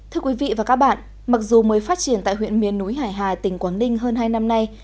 thưa quý vị và các bạn mặc dù mới phát triển tại huyện miền núi hải hà tỉnh quảng ninh hơn hai năm nay